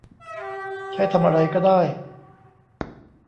ใช้ทำอะไรก็ได้